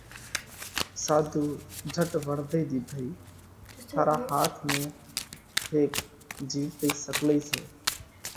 ساڌُو جھٽ وۯڻڌئِي ۮِيڌئِي: ٿارا هاٿ ۾ هيڪ جِيوَتئِي سڪلئِي سئہ،